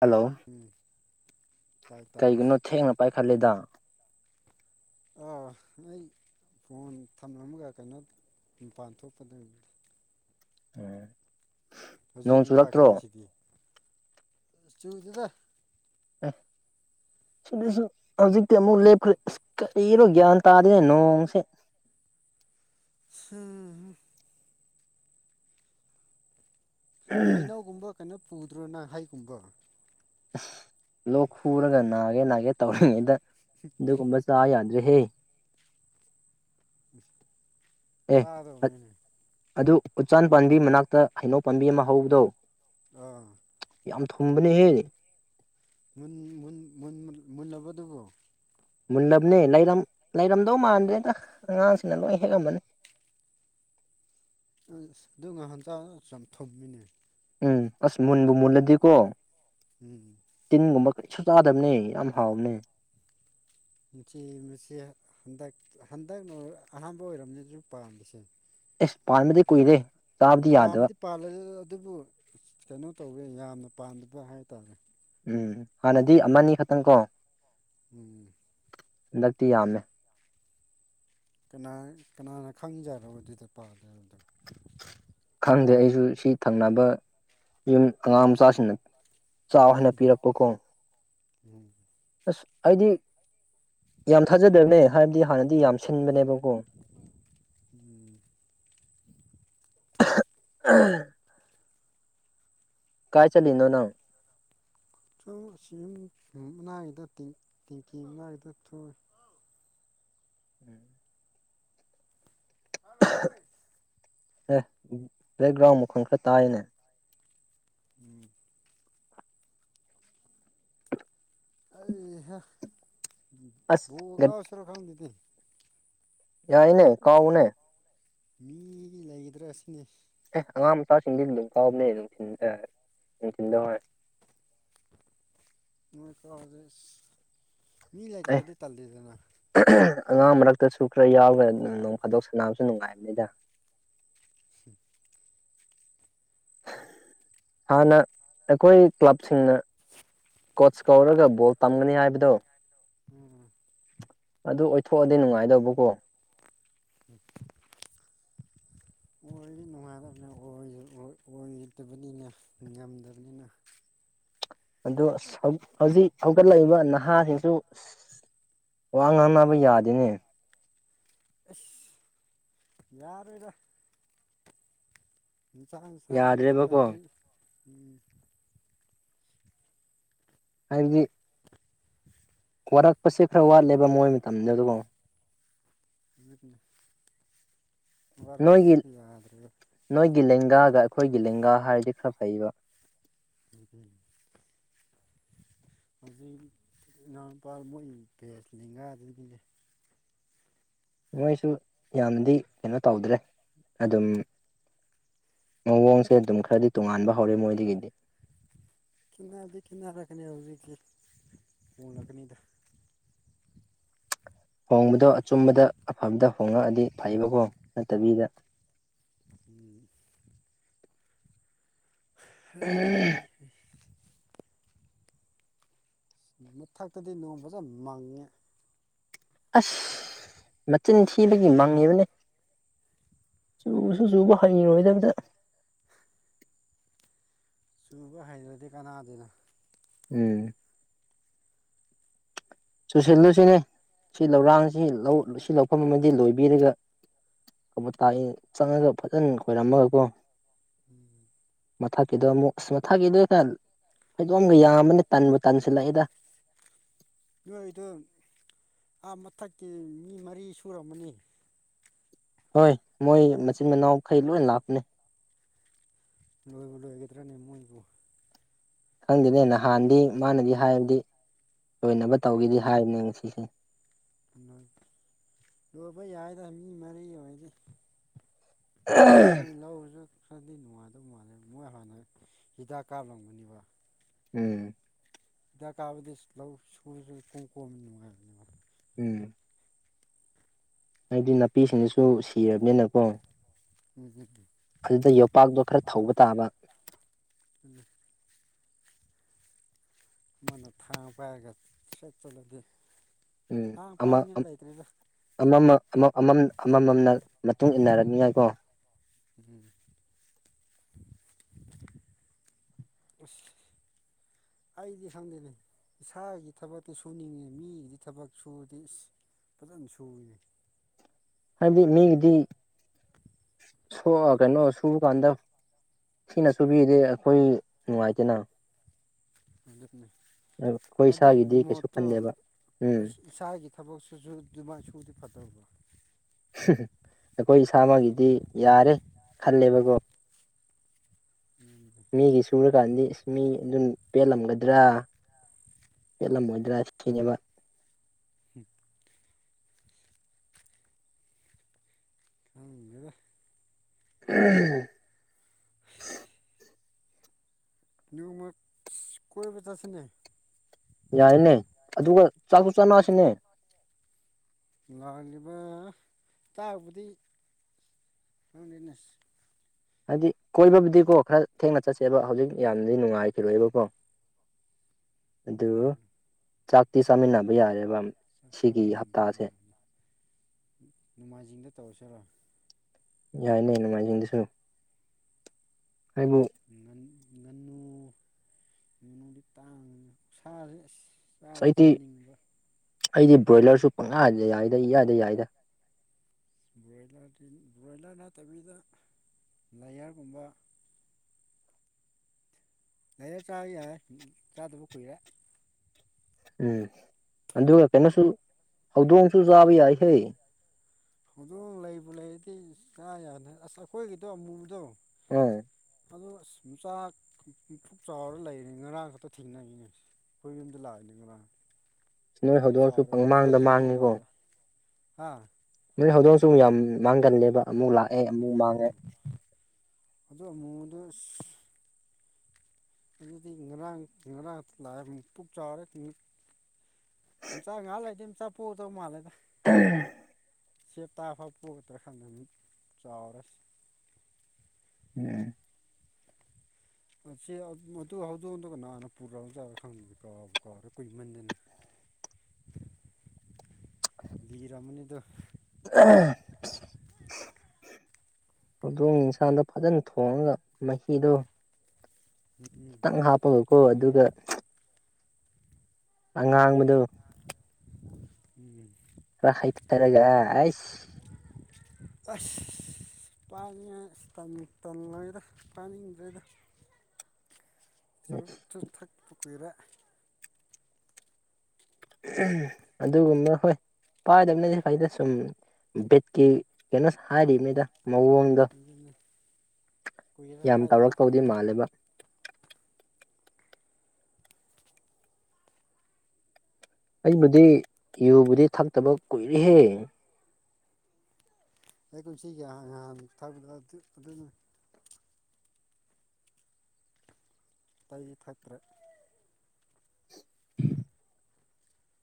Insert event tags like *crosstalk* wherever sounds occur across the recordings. Hello! ꯎꯝ ꯇꯥꯏ ꯇꯥꯏ ꯀꯩꯒꯤꯅꯣ ꯊꯦꯡꯅ ꯄꯥꯏꯈꯠꯂꯦꯗ꯫ ꯑꯥ ꯑꯩ ꯐꯣꯟ ꯊꯝꯂꯝꯃꯒ ꯀꯩꯅꯣ ꯃꯄꯥꯟ ꯊꯣꯛꯄꯗ ꯗꯨꯒꯤꯅꯤ꯫ ꯎꯝ ꯍꯧꯖꯤꯛ ꯑꯃꯨꯛ ꯄꯥꯏꯈꯠꯂꯤꯁꯤꯗꯤ ꯆꯨꯗꯦꯗ꯫ ꯑꯦ꯫ ꯁꯤꯗꯁꯨ ꯍꯧꯖꯤꯛꯇꯤ ꯑꯃꯨꯛ ꯂꯦꯞꯈ꯭ꯔꯦ ꯑꯁ ꯀꯔꯤꯅꯣ ꯒ꯭ꯌꯥꯟ ꯇꯥꯗꯦꯗ ꯅꯣꯡꯁꯦ꯫ *unintelligible* ꯍꯩꯅꯧꯒꯨꯝꯕ ꯀꯩꯅꯣ ꯄꯨꯗ꯭ꯔꯣꯅ ꯍꯩꯒꯨꯝꯕ? ꯂꯣꯛ ꯈꯨꯔꯒ ꯅꯥꯒꯦ ꯅꯥꯒꯦ ꯇꯧꯔꯤꯉꯩꯗ ꯑꯗꯨꯒꯨꯝꯕ ꯆꯥ ꯌꯥꯗ꯭ꯔꯦꯍꯦ꯫ *unintelligible* ꯑꯦ ꯆꯥꯗꯧꯅꯤꯅꯦ ꯑꯗꯨ ꯎꯆꯥꯟ ꯄꯥꯟꯕꯤ ꯃꯅꯥꯛꯇ ꯍꯩꯅꯧ ꯄꯥꯝꯕꯤ ꯑꯃ ꯍꯧꯕꯗꯣ꯫ ꯑꯥ ꯌꯥꯝ ꯊꯨꯝꯕꯅꯦꯍꯦ꯫ ꯃꯨꯟ ꯃꯨꯟ ꯃꯨꯟ ꯃꯨꯟ ꯃꯨꯜꯂꯕꯣ ꯑꯗꯨꯕꯨ? ꯃꯨꯜꯂꯕꯅꯦ ꯂꯩꯔꯝ ꯂꯩꯔꯝꯗꯧ ꯃꯥꯟꯗ꯭ꯔꯦꯗ ꯑꯉꯥꯡꯁꯤꯡꯅ ꯂꯣꯏ ꯍꯦꯛꯑꯃꯅꯤ꯫ ꯑꯁ ꯑꯗꯨ ꯅꯍꯟ ꯆꯥꯕꯗ ꯌꯥꯝ ꯊꯨꯝꯃꯤꯅꯤ꯫ ꯎꯝ ꯑꯁ ꯃꯨꯟꯕꯨ ꯃꯨꯜꯂꯗꯤꯀꯣ ꯎꯝ ꯇꯤꯟꯒꯨꯝꯕ ꯀꯔꯤꯁꯨ ꯆꯥꯗꯕꯅꯦ ꯌꯥꯝ ꯍꯥꯎꯕꯅꯦ꯫ ꯃꯆꯤ ꯃꯆꯦ ꯍꯟꯗꯛ ꯍꯟꯗꯛꯅ ꯑꯍꯥꯟꯕ ꯑꯣꯏꯔꯝꯅꯤꯁꯨ ꯄꯥꯟꯕꯁꯦ꯫ ꯑꯦꯁ ꯄꯥꯟꯕꯗꯤ ꯀꯨꯏꯔꯦ ꯆꯥꯕꯗꯤ ꯌꯥꯗꯕ꯫ ꯄꯥꯝꯗꯤ ꯄꯥꯜꯂꯦ ꯑꯗꯨꯕꯨ ꯀꯩꯅꯣ ꯇꯧꯋꯦ ꯌꯥꯝꯅ ꯄꯥꯟꯗꯕ ꯍꯥꯏꯇꯥꯔꯦ꯫ ꯎꯝ ꯍꯥꯟꯅꯗꯤ ꯑꯃꯅꯤ ꯈꯛꯇꯪ ꯀꯣ꯫ ꯎꯝ ꯍꯟꯗꯛꯇꯤ ꯌꯥꯝꯃꯦ꯫ ꯀꯅꯥ ꯀꯅꯥꯅ ꯈꯪꯖꯔꯣ ꯑꯗꯨꯗ ꯄꯥꯜꯂꯦ ꯍꯥꯏꯕꯗꯨ꯫ ꯈꯪꯗꯦ ꯑꯩꯁꯨ ꯁꯤ ꯊꯪꯅꯕ ꯌꯨꯝ ꯑꯉꯥꯡ ꯃꯆꯥꯁꯤꯡꯅ ꯆꯥꯎ ꯍꯥꯏꯅ ꯄꯤꯔꯛꯄ ꯀꯣ꯫ ꯎꯝ ꯑꯁ ꯑꯩꯗꯤ ꯌꯥꯝ ꯊꯥꯖꯗꯕꯅꯦ ꯍꯥꯏꯕꯗꯤ ꯍꯥꯟꯅꯗꯤ ꯌꯥꯝ ꯁꯤꯟꯕꯅꯦꯕꯀꯣ꯫ ꯎꯝ *unintelligible* *inaudible* ꯀꯥꯏ ꯆꯠꯂꯤꯅꯣ ꯅꯪ ꯁꯨꯝ ꯁꯤꯝ ꯃꯅꯥꯛꯒꯤꯗ ꯇꯦꯡꯀꯤ ꯃꯅꯥꯒꯤꯗ ꯊꯣꯛꯏ ꯎꯝ *unintelligible* ꯑꯦ ꯕ꯭ꯂꯦꯛꯒ꯭ꯔꯥꯎꯟ ꯃꯈꯣꯜ ꯈꯔ ꯇꯥꯏꯅꯦ ꯎꯝ ꯑꯩ ꯍꯥ ꯑꯁ ꯕꯣꯜꯒꯥꯎꯁꯤꯔꯣ ꯈꯪꯗꯦꯅꯦ ꯌꯥꯏꯅꯦ ꯀꯥꯎꯅꯦ ꯃꯤꯒꯤ ꯂꯩꯒꯗ꯭ꯔꯥ ꯁꯤꯅꯦ ꯑꯦ ꯑꯉꯥꯡ ꯃꯆꯥꯁꯤꯡꯗꯤ ꯑꯗꯨꯝ ꯀꯥꯎꯕꯅꯦ ꯅꯨꯡꯊꯤꯟꯗ ꯅꯨꯡꯊꯤꯟꯗ ꯍꯣꯢ ꯅꯣꯏ ꯀꯥꯎꯖꯦ ꯑꯁ ꯃꯤ ꯑꯦ ꯂꯩꯇ꯭ꯔꯗꯤ ꯇꯜꯂꯤꯗꯅ *unintelligible* ꯑꯉꯥꯡ ꯃꯔꯛꯇꯁꯨ ꯈꯔ ꯌꯥꯎꯕꯌꯥꯏ ꯎꯝ ꯅꯣꯡ ꯐꯥꯗꯣꯛ ꯁꯥꯟꯅꯕꯁꯨ ꯅꯨꯡꯉꯥꯏꯕꯅꯤꯗ ꯍꯨꯝ ꯍꯥꯟꯅ ꯑꯩꯈꯣꯏ ꯀ꯭ꯂꯕꯁꯤꯡꯅ ꯀꯣꯆ ꯀꯧꯔꯒ ꯕꯣꯜ ꯇꯝꯒꯅꯤ ꯍꯥꯏꯕꯗꯣ ꯎꯝ ꯑꯗꯨ ꯑꯣꯏꯊꯣꯛꯑꯗꯤ ꯅꯨꯡꯉꯥꯏꯗꯧꯕꯀꯣ ꯎꯝ *inaudible* ꯑꯣꯏꯔꯗꯤ ꯅꯨꯡꯉꯥꯏꯗꯧꯕꯅꯦ ꯑꯣꯏ ꯑꯣꯏ ꯑꯣꯏꯗꯕꯅꯤꯅ ꯉꯝꯗꯕꯅꯤꯅ ꯑꯗꯣ ꯑꯁ ꯍꯧ ꯍꯧꯖꯤꯛ ꯍꯧꯒꯠꯂꯛꯏꯕ ꯅꯍꯥꯁꯤꯡꯁꯨ ꯑꯁ ꯋꯥ ꯉꯥꯡꯅꯕ ꯌꯥꯗꯦꯅꯦ ꯑꯦꯁ ꯌꯥꯔꯣꯏꯗ *unintelligible* ꯌꯥꯗ꯭ꯔꯦꯕꯀꯣ ꯎꯝ ꯍꯥꯏꯕꯗꯤ *inaudible* ꯋꯥꯔꯛꯄꯁꯦ ꯈꯔ ꯋꯥꯠꯂꯦꯕ ꯃꯣꯏ ꯃꯇꯝꯗ ꯑꯗꯨꯕꯣ ꯑꯗꯨꯅꯤꯗ ꯅꯣꯏꯒꯤ ꯋꯥꯔꯛꯄꯗꯤ ꯌꯥꯗ꯭ꯔꯦ ꯅꯣꯏꯒꯤ ꯂꯦꯡꯒꯥꯒ ꯑꯩꯈꯣꯏꯒꯤ ꯂꯦꯡꯒꯥ ꯍꯥꯏꯔꯗꯤ ꯈꯔ ꯐꯩꯕ ꯎꯝꯍꯨꯝ ꯍꯧꯖꯤꯛ ꯏꯅꯥꯎꯅꯨꯄꯥ ꯃꯣꯏ ꯚꯦꯁ ꯂꯦꯡꯒꯥꯗꯨꯗꯤꯅꯦ ꯃꯣꯏꯁꯨ ꯌꯥꯝꯅꯗꯤ ꯀꯩꯅꯣ ꯇꯧꯗ꯭ꯔꯦ ꯑꯗꯨꯝ ꯃꯑꯣꯡꯁꯦ ꯑꯗꯨꯝ ꯈꯔꯗꯤ ꯇꯣꯉꯥꯟꯕ ꯍꯧꯔꯦ ꯃꯣꯏꯗꯒꯤꯗꯤ ꯈꯦꯠꯅꯗꯤ ꯈꯦꯠꯅꯔꯛꯀꯅꯤ ꯍꯧꯖꯤꯛꯀꯤ ꯍꯣꯡꯂꯛꯀꯅꯤꯗ ꯍꯣꯡꯕꯗꯣ ꯑꯆꯨꯝꯕꯗ ꯑꯐꯕꯗ ꯍꯣꯡꯉꯛꯑꯗꯤ ꯐꯩꯕꯀꯣ ꯅꯠꯇꯕꯤꯗ ꯎꯝ ꯍ ꯍꯩ ꯍꯩ ꯃꯊꯛꯇꯗꯤ ꯅꯣꯡ ꯐꯖ ꯃꯪꯉꯦ ꯑꯁ ꯃꯆꯤꯟ ꯊꯤꯕꯒꯤ ꯃꯪꯉꯤꯕꯅꯦ ꯆꯨꯁꯨ ꯆꯨꯕ ꯍꯩꯔꯣꯏꯗꯕꯗ ꯆꯨꯕ ꯍꯩꯗ꯭ꯔꯗꯤ ꯀꯥꯟꯅꯗꯦꯅ ꯎꯝ ꯆꯨꯁꯤꯜꯂꯨꯁꯤꯅꯦ ꯁꯤ ꯂꯧꯔꯥꯡꯁꯤ ꯂꯧ ꯁꯤ ꯂꯧꯐꯝ ꯑꯃꯗꯤ ꯂꯣꯏꯕꯤꯔꯒ ꯀꯣꯕꯣꯇꯥ ꯏꯟ ꯆꯪꯉꯒ ꯐꯖꯅ ꯈꯣꯏꯔꯝꯃꯒꯀꯣ ꯎꯝ ꯃꯊꯛꯀꯤꯗꯣ ꯑꯃꯨꯛ ꯑꯁ ꯃꯊꯛꯀꯤꯗꯨꯅ ꯐꯩꯗꯣꯝꯒ ꯌꯥꯝꯕꯅꯤ ꯇꯟꯕꯨ ꯇꯟꯁꯤꯜꯂꯛꯑꯦꯗ ꯅꯣꯏꯒꯤꯗꯣ ꯑꯥ ꯃꯊꯛꯀꯤ ꯃꯤ ꯃꯔꯤ ꯁꯨꯔꯝꯃꯅꯤ ꯍꯣꯏ ꯃꯣꯏ ꯃꯆꯤꯟ ꯃꯅꯥꯎꯈꯩ ꯂꯣꯏ ꯂꯥꯛꯄꯅꯦ ꯂꯣꯏꯕꯨ ꯂꯣꯏꯒꯗ꯭ꯔꯅꯦ ꯃꯣꯏꯕꯨ ꯈꯪꯗꯦꯅꯦ ꯅꯍꯥꯟꯗꯤ ꯃꯥꯅꯗꯤ ꯍꯥꯏꯕꯗꯤ ꯂꯣꯏꯅꯕ ꯇꯧꯒꯦꯗꯤ ꯍꯥꯏꯕꯅꯦ ꯉꯁꯤꯁꯦ ꯂꯣꯏ ꯂꯣꯏꯕ ꯌꯥꯏꯗ ꯃꯤ ꯃꯔꯤ ꯑꯣꯏꯔꯗꯤ *unintelligible* ꯃꯣꯏ ꯂꯧꯔꯖꯨ ꯈꯔꯗꯤ ꯅꯨꯡꯉꯥꯏꯗꯧ ꯃꯥꯜꯂꯦ ꯃꯣꯏ ꯍꯥꯟꯅ ꯍꯤꯗꯥꯛ ꯀꯥꯞꯂꯝꯕꯅꯦꯕ ꯎꯝ ꯍꯤꯗꯥꯛ ꯀꯥꯞꯕꯗꯤ ꯂꯧ ꯁꯔꯖꯨ ꯏꯀꯣꯝ ꯀꯣꯝꯕꯅꯝ ꯅꯨꯡꯉꯥꯏꯕꯅꯦꯕ ꯎꯝ ꯍꯥꯏꯗꯤ ꯅꯥꯄꯤꯁꯤꯡꯗꯨꯁꯨ ꯁꯤꯔꯕꯅꯤꯅꯀꯣ *unintelligible* ꯑꯗꯨꯗꯤ ꯌꯣꯄꯥꯛꯇꯣ ꯈꯔ ꯊꯧꯕ ꯇꯥꯕ ꯎꯝ ꯃꯥꯅ ꯊꯥꯡ ꯄꯥꯏꯔꯒ ꯁꯠ ꯆꯠꯂꯗꯤ ꯎꯝ ꯊꯥꯡ ꯑꯃ ꯄꯥꯏꯅꯤꯡꯉꯥꯏ ꯂꯩꯇ꯭ꯔꯦꯗ ꯑꯃꯅ ꯑꯃ ꯑꯃꯃꯝꯅ ꯃꯇꯨꯡ ꯏꯟꯅꯔꯝꯅꯤꯉꯥꯏꯀꯣ ꯎꯝ ꯑꯁ ꯑꯩꯗꯤ ꯁꯪꯗꯦꯅꯦ ꯏꯁꯥꯒꯤ ꯊꯕꯛꯇꯤ ꯁꯨꯅꯤꯡꯉꯦ ꯃꯤꯒꯤꯗꯤ ꯊꯕꯛ ꯁꯨꯗꯤ ꯏꯁ ꯐꯖꯅ ꯁꯨꯏꯅꯦ ꯍꯥꯏꯕꯗꯤ ꯃꯤꯒꯤꯗꯤ *unintelligible* ꯀꯩꯅꯣ ꯁꯨꯕ ꯀꯥꯟꯗ ꯊꯤꯅ ꯁꯨꯨꯕꯤꯔꯗꯤ ꯑꯩꯈꯣꯏ ꯅꯨꯡꯉꯥꯏꯇꯦꯅ ꯑꯩꯈꯣꯏ *unintelligible* ꯑꯗꯨ ꯏꯁꯥꯒꯤꯗꯤ ꯀꯩꯁꯨ ꯃꯣꯠꯇꯣ ꯈꯟꯗꯦꯕ ꯎꯝ *unintelligible* ꯏꯁꯥꯒꯤ ꯊꯕꯛꯁꯤꯁꯨ ꯑꯗꯨꯃꯥꯏꯅ ꯁꯨꯗꯤ ꯐꯗꯧꯕ ꯑꯩꯈꯣꯏ ꯏꯁꯥꯃꯛꯒꯤꯗꯤ ꯌꯥꯔꯦ ꯈꯜꯂꯦꯕꯀꯣ ꯎꯝ ꯃꯤꯒꯤ ꯁꯨꯕꯀꯥꯟꯗꯤ ꯑꯁ ꯃꯤ ꯑꯗꯨꯅ ꯄꯦꯜꯂꯝꯒꯗ꯭ꯔꯥ ꯄꯦꯜꯂꯝꯃꯣꯏꯗ꯭ꯔꯥ ꯊꯤꯅꯦꯕ *unintelligible* *inaudible* ꯈꯪꯗꯦꯗ *unintelligible* *unintelligible* ꯃꯔꯛ ꯑꯁ ꯀꯣꯏꯕ ꯆꯠꯁꯤꯅꯦ ꯌꯥꯔꯤꯅꯦ ꯑꯗꯨꯒ ꯆꯥꯛꯁꯨ ꯆꯥꯅꯁꯤꯅꯦ ꯂꯥꯛꯅꯦꯕ ꯏꯇꯥꯕꯨꯗꯤ ꯈꯪꯗꯦꯅꯦ ꯍꯥꯏꯗꯤ ꯀꯣꯏꯕꯕꯨꯗꯤꯀꯣ ꯈꯔ ꯊꯦꯡꯅ ꯆꯠꯁꯦꯕ ꯍꯧꯖꯤꯛ ꯌꯥꯝꯗꯤ ꯅꯨꯡꯉꯥꯏꯈꯤꯔꯣꯏꯕꯀꯣ *inaudible* ꯑꯗꯨ ꯎꯝ ꯆꯥꯛꯇꯤ ꯆꯥꯛ ꯆꯥꯃꯤꯟꯅꯕ ꯌꯥꯔꯦꯕ ꯆꯥꯛ ꯁꯤꯒꯤ ꯍꯞꯇꯥꯁꯦ ꯎꯝ ꯅꯣꯡꯃꯥꯏꯖꯤꯡꯗ ꯇꯧꯔꯁꯤꯔ ꯌꯥꯏꯅꯦ ꯅꯣꯡꯃꯥꯏꯖꯤꯡꯗꯁꯨ ꯑꯩꯕꯨ ꯉꯟ ꯉꯥꯅꯨ ꯉꯥꯅꯨꯗꯤ ꯇꯥꯡꯉꯦ ꯁꯥꯁꯦ ꯑꯁ ꯑꯁ ꯆꯥꯗꯤ ꯑꯩꯗꯤ ꯆꯥꯅꯤꯡꯉꯦꯕ ꯑꯩꯗꯤ ꯕ꯭ꯔꯣꯏꯂꯔꯁꯨ ꯄꯪꯌꯗ ꯌꯥꯏꯗ ꯏꯌꯥꯗ ꯌꯥꯏꯗ ꯕ꯭ꯔꯣꯏꯂꯔꯗꯤ ꯕ꯭ꯔꯣꯏꯂꯔ ꯅꯠꯇꯕꯤꯗ ꯂꯥꯏꯌꯥꯔꯒꯨꯝꯕ ꯂꯩꯌꯔ ꯆꯥꯔꯁꯨ ꯌꯥꯏ ꯆꯥꯗꯕ ꯀꯨꯏꯔꯦ ꯎꯝ ꯑꯗꯨꯒ ꯀꯩꯅꯣꯁꯨ ꯍꯧꯗꯣꯡꯁꯨ ꯆꯥꯕ ꯌꯥꯏꯍꯦ ꯍꯧꯗꯣꯡ ꯂꯩꯕꯨ ꯂꯩꯔꯗꯤ ꯆꯥ ꯌꯥꯗꯦ ꯑꯁ ꯑꯩꯈꯣꯏꯒꯤꯗꯣ ꯑꯃꯨꯕꯗꯣ ꯑ ꯑꯗꯣ ꯑꯁ ꯃꯆꯥꯛ ꯄꯨꯛ ꯆꯥꯎꯔ ꯂꯩꯔꯤ ꯉꯔꯥꯡ ꯈꯛꯇ ꯊꯦꯡꯅꯩꯌꯦꯑꯁ ꯑꯩꯈꯣꯏ ꯌꯨꯝꯗ ꯂꯥꯛꯏꯅꯤ ꯉꯔꯥꯡ ꯅꯣꯏ ꯄꯨꯛ ꯍꯧꯗꯣꯡꯁꯨ ꯆꯥꯎꯔꯦ ꯃꯆꯥ ꯄꯪꯃꯥꯡꯗ ꯄꯣꯛꯇꯧ ꯃꯥꯡꯉꯤꯀꯣ ꯃꯥꯜꯂꯦ ꯍꯥꯥ ꯅꯣꯏ ꯍꯧꯗꯣꯡꯁꯨ ꯌꯥꯝ ꯃꯥꯡꯒꯜꯂꯦꯕ ꯑꯃꯨ ꯂꯥꯛꯑꯦ ꯑꯃꯨꯛ ꯎꯝ ꯃꯥꯡꯉꯦ ꯑꯗꯨ ꯑꯃꯨꯗꯁ ꯑꯗꯨꯗꯤ ꯉꯔꯥꯡ ꯉꯔꯥꯡ ꯂꯥꯛꯑ ꯄꯨꯛ ꯆꯥꯎꯔꯦ ꯊꯤꯡꯏ ꯃꯆꯥ ꯉꯍꯥꯛ ꯂꯩꯔꯗꯤ ꯃꯆꯥ ꯄꯣꯛꯑꯗꯧ ꯃꯥꯜꯂꯦꯗ *unintelligible* ꯁꯦꯞ ꯇꯥꯛꯑꯐꯥꯎ ꯄꯣꯒꯗ꯭ꯔꯥ ꯍꯪꯉꯗꯤ ꯆꯥꯎꯔꯁꯤ *unintelligible* ꯁꯤ ꯑ ꯑꯗꯨ ꯍꯧꯗꯣꯛꯗꯨ ꯀꯅꯥꯅ ꯄꯨꯒ꯭ꯔꯕꯖꯥꯠꯂ ꯈꯪꯗꯦ ꯀꯥꯎꯕꯨ ꯀꯥꯎꯔꯦ ꯀꯨꯏꯃꯟꯗꯅ *inaudible* ꯂꯤꯔꯝꯃꯅꯤꯗ *unintelligible* ꯍꯧꯗꯣꯡ ꯏꯟꯁꯥꯡꯗꯣ ꯐꯖꯅ ꯊꯣꯡꯉꯒ ꯃꯍꯤꯗꯣ ꯎꯝ ꯈꯤꯇꯪ ꯍꯥꯞꯄꯒꯀꯣ ꯑꯗꯨꯒ ꯑꯉꯥꯡꯕꯗꯨ *unintelligible* ꯎꯝ ꯈꯔ ꯍꯩꯊꯔꯒ ꯑ ꯑꯩꯁ ꯑꯁ ꯄꯥꯏꯌꯦ ꯑꯁ ꯇꯝꯕꯨ ꯇꯟꯂꯦꯗ ꯄꯥꯅꯤꯡꯗ꯭ꯔꯦꯗ *inaudible* ꯆꯨꯔꯨꯞꯇꯨ ꯊꯛꯄ ꯀꯨꯏꯔꯦ ꯑꯗꯨꯒꯨꯝꯕ ꯍꯣꯏ ꯄꯥꯏꯗꯕꯅꯗꯤ ꯐꯩꯗ ꯁꯨꯝ ꯕꯤꯠꯀꯤ ꯀꯩꯅꯣꯁ ꯍꯥꯏꯔꯤꯕꯅꯤꯗ ꯃꯑꯣꯡ ꯗ ꯑꯗꯨꯅꯤ ꯀꯨꯏꯔꯦ ꯌꯥꯝ ꯄꯥꯏꯗꯕ ꯇꯧꯔꯛꯇꯧꯗꯤ ꯃꯥꯜꯂꯦꯕ ꯑꯩꯕꯨꯗꯤ ꯌꯨꯕꯨꯗꯤ ꯊꯛꯇꯕ ꯀꯨꯏꯔꯤꯍꯦ ꯑꯩ ꯀꯨꯝꯁꯤꯒꯤ ꯉꯍꯥ ꯉꯍꯥꯟ ꯊꯛꯕꯗ ꯑꯗꯨ ꯑꯗꯨꯅ ꯇꯩ ꯊꯛꯇ꯭ꯔꯦ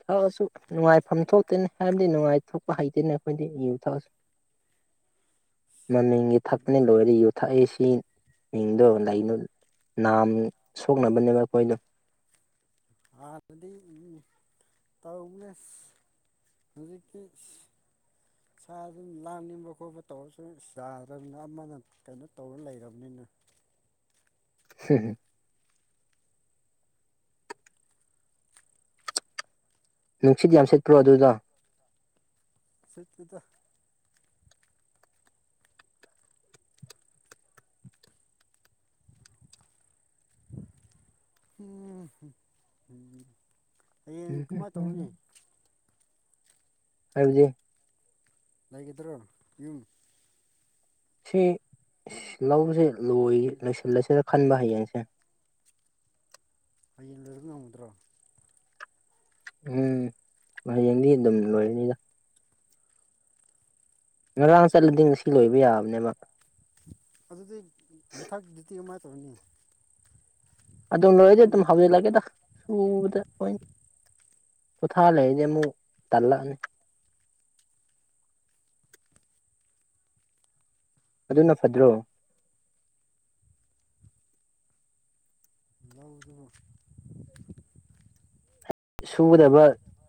ꯊꯛꯑꯁꯨ ꯅꯨꯡꯉꯥꯏꯐꯝ ꯊꯣꯛꯇꯦꯅꯦ ꯍꯥꯏꯕꯗꯤ ꯅꯨꯡꯉꯥꯏꯊꯣꯛꯄ ꯍꯩꯇꯦꯅ ꯑꯩꯈꯣꯏꯗꯤ ꯌꯨ ꯊꯛꯑꯁꯨ ꯃꯃꯤꯡꯒꯤ ꯊꯛꯄꯅꯦ ꯂꯣꯏꯔꯗꯤ ꯌꯨ ꯊꯛꯏꯁꯤ ꯃꯤꯡꯗꯣ ꯂꯩꯩꯅꯣ ꯅꯥꯝ ꯁꯣꯛꯅꯕꯅꯦꯕ ꯑꯩꯈꯣꯏꯗꯣ ꯑ ꯗꯗꯤ ꯌꯨ ꯇꯧꯋꯦꯁ ꯍꯧꯖꯤꯛꯀꯤ ꯏꯁ ꯁꯥꯖꯨ ꯂꯥꯡꯅꯤꯡꯕ ꯈꯣꯠꯄ ꯇꯧꯔꯁꯨ ꯆꯥꯗ꯭꯭ꯔꯃꯤꯅ ꯑꯃꯅꯪ ꯀꯩꯅꯣ ꯇꯧꯔ ꯂꯩꯔꯕꯅꯤꯅ *unintelligible* ꯅꯨꯡꯁꯤꯠ ꯌꯥꯝ ꯁꯤꯠꯄ꯭ꯔꯣ ꯑꯗꯨꯗ ꯁꯤꯠꯇꯤꯗ ꯎꯝ ꯎꯝ ꯍꯌꯦꯡ ꯀꯃꯥꯏꯅ ꯇꯧꯔꯨꯅꯤ ꯍꯥꯏꯕꯗꯤ ꯂꯩꯒꯗ꯭ꯔꯣ ꯌꯨꯝ ꯁꯤ ꯂꯧꯁꯦ ꯂꯣꯏ ꯂꯣꯏꯁꯤꯜꯂꯁꯤꯔ ꯈꯟꯕ ꯍꯌꯦꯡꯁꯦ ꯍꯌꯦꯡ ꯂꯣꯏꯕ ꯉꯝꯒꯗ꯭ꯔꯣ ꯎꯝ ꯍꯌꯦꯡꯗꯤ ꯑꯗꯨꯝ ꯂꯣꯏꯒꯅꯤꯗ ꯉꯔꯥꯡ ꯆꯠꯂꯗꯤ ꯉꯁꯤ ꯂꯣꯏꯕ ꯌꯥꯕꯅꯦꯕꯕ ꯑꯗꯨꯗꯤ ꯃꯊꯛ ꯗꯤꯇꯤ ꯑꯃ ꯇꯧꯔꯅꯤ ꯑꯗꯨꯝ ꯂꯣꯏꯔꯗꯤ ꯑꯗꯨꯝ ꯍꯧꯖꯜꯂꯒꯦꯗ ꯁꯨꯕꯗ ꯑꯣꯏ ꯄꯣꯊꯥ ꯂꯩꯔꯗꯤ ꯑꯃꯨꯛ ꯇꯜꯂꯛꯑꯅꯤ ꯑꯗꯨꯅ ꯐꯗ꯭ꯔꯣ ꯂꯧꯗꯨ ꯁꯨꯒꯗꯕ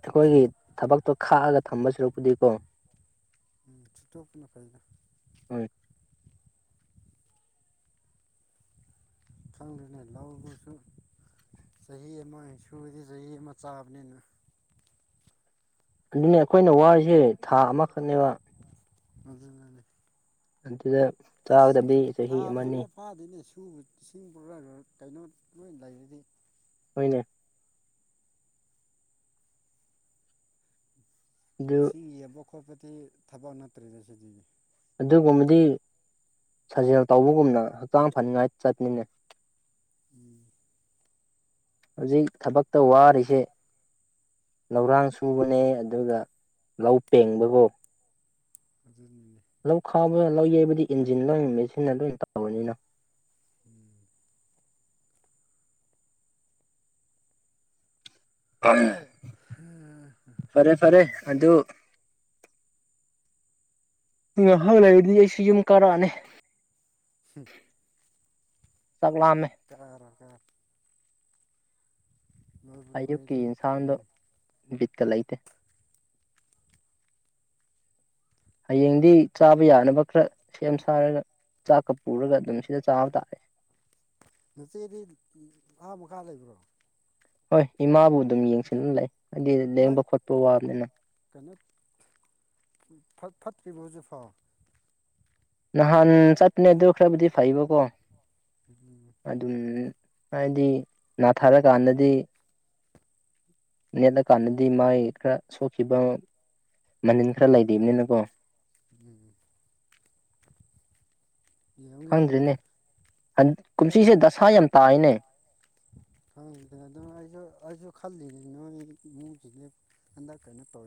ꯑꯈꯣꯏꯒꯤ ꯊꯕꯛꯇꯣ ꯈꯥꯛꯑꯒ ꯊꯝꯕ ꯁꯨꯔꯛꯄꯨꯗꯤꯀꯣ ꯁꯨꯇꯣꯛꯄꯅ‌ ꯐꯩꯗ ꯎꯝ ꯈꯪꯗ꯭ꯔꯦꯅꯦ ꯂꯧꯕꯁꯨ ꯆꯍꯤ ꯑꯃ ꯁꯨꯗꯤ ꯆꯍꯤ ꯑꯃ ꯆꯥꯕꯅꯤꯅ ꯑꯗꯨꯅꯦ ꯑꯈꯣꯏꯅ ꯋꯥꯔꯤꯁꯦ ꯊꯥ ꯑꯃꯈꯛꯅꯦꯕ ꯑꯗꯨꯅꯅꯤ ꯑꯗꯨꯗ ꯑꯁ ꯆꯥꯒꯗꯕꯗꯤ ꯊꯥ ꯆꯍꯤ ꯑꯃꯅꯤ ꯑꯃꯐꯥꯎ ꯐꯥꯗꯤꯅꯦ ꯁꯨꯕ ꯏꯁꯤꯡ ꯄꯨꯔꯔ ꯀꯩꯅꯣ ꯂꯣꯏ ꯂꯩꯔꯗꯤ ꯍꯣꯏꯅꯦ ꯑꯗꯨ ꯏꯁꯤꯡ ꯌꯦꯡꯕ ꯈꯣꯠꯄꯗꯤ ꯊꯕꯛ ꯅꯠꯇ꯭ꯔꯦꯅꯦ ꯁꯤꯗꯤ ꯑꯗꯨꯒꯨꯝꯕꯗꯤ ꯁꯥꯖꯦꯜ ꯇꯧꯕꯒꯨꯝꯅ ꯍꯛꯆꯥꯡ ꯐꯅꯤꯡꯉꯥꯏ ꯆꯠꯃꯤꯟꯅꯦ ꯎꯝ ꯍꯧꯖꯤꯛ ꯊꯕꯛꯇ ꯋꯥꯔꯤꯁꯦ ꯂꯧꯔꯥꯡ ꯁꯨꯕꯅꯦ ꯑꯗꯨꯒ ꯂꯧ ꯄꯦꯡꯕꯀꯣ ꯑꯗꯨꯅꯤꯅꯦ ꯂꯧ ꯈꯥꯕꯗ ꯂꯧ ꯌꯩꯕꯗꯤ ꯏꯟꯖꯤꯟ ꯂꯣꯏ ꯃꯦꯆꯤꯟꯅ ꯂꯣꯏ ꯇꯧꯔꯅꯤꯅ ꯎꯝ ꯑꯝ *unintelligible* ꯗꯨ ꯉꯥꯍꯥꯛ ꯂꯩꯔꯗꯤ ꯑꯩꯁꯨ ꯌꯨꯝ ꯀꯥꯔꯛꯑꯅꯤ ꯆꯛꯂꯥꯝꯃꯦ ꯀꯥꯔꯑ ꯔꯣꯏꯗ ꯂꯣꯏꯕꯨ ꯑꯌꯨꯛꯀꯤ ꯂꯣꯏꯔꯗꯤ ꯏꯟꯁꯥꯡꯗꯣ ꯐꯩꯅꯦ ꯕꯤꯠꯀ ꯂꯩꯇꯦ ꯍꯌꯦꯡꯗꯤ ꯆꯥꯕ ꯌꯥꯅꯕ ꯈꯔ ꯁꯦꯝ ꯁꯥꯔꯒ ꯆꯥꯛꯀ ꯄꯨꯔꯒ ꯑꯗꯨꯝ ꯁꯤꯗ ꯆꯥꯕ ꯇꯥꯔꯦ ꯅꯆꯦꯗꯤ ꯂ ꯃꯈꯥ ꯂꯩꯕ꯭ꯔꯣ ꯍꯣꯏ ꯏꯃꯥꯕꯨ ꯑꯗꯨꯝ ꯌꯦꯡꯁꯤꯟꯂ ꯂꯩ ꯍꯥꯏꯗꯤ ꯃꯣꯏ ꯂꯦꯡꯕ ꯈꯣꯠꯄ ꯋꯥꯕꯅꯤꯅ ꯀꯩꯅꯣ ꯐꯠꯇ꯭ꯔꯤꯕꯣ ꯍꯧꯖꯤꯛ ꯐꯥꯎ ꯅꯍꯥꯟ ꯆꯠꯄꯅꯦ ꯑꯗꯨ ꯈꯔꯕꯨꯗꯤ ꯐꯩꯕꯀꯣ ꯑꯣ ꯎꯝ ꯑꯗꯨꯝꯅꯤ ꯍꯥꯏꯗꯤ ꯅꯥꯊꯥꯔꯀꯥꯟꯗꯗꯤ ꯅꯦꯠꯂꯀꯥꯟꯗꯗꯤ ꯃꯥꯏ ꯈꯔ ꯁꯣꯛꯈꯤꯕ ꯃꯅꯤꯟ ꯈꯔ ꯂꯩꯕꯤꯅꯤꯅꯀꯣ ꯎꯝ ꯌꯦꯡꯉꯨ ꯌꯦꯡꯉꯨ ꯈꯪꯗ꯭ꯔꯤꯅꯦ ꯀꯨꯝꯁꯤꯁꯦ ꯗꯁꯥ ꯌꯥꯝ ꯇꯥꯏꯅꯦ ꯍꯪ ꯗꯨꯅꯗꯨꯝ ꯑꯩꯁꯨ ꯑꯩꯁꯨ ꯈꯜꯂꯤꯂꯤꯅꯦ ꯅꯣꯏ ꯏꯃꯨꯡꯁꯤ ꯂꯦꯞ ꯍꯟꯗꯛ ꯀꯩꯅꯣ ꯇꯧꯋꯦ